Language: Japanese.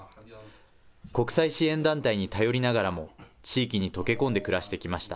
国際支援団体に頼りながらも、地域に溶け込んで暮らしてきました。